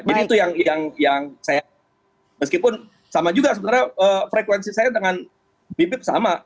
jadi itu yang saya meskipun sama juga sebenarnya frekuensi saya dengan bipip sama